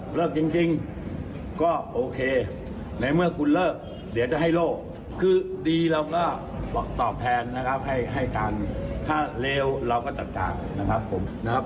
ผมจะฟังเสียงเลยครับ